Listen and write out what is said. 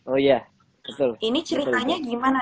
oh iya betul ini ceritanya gimana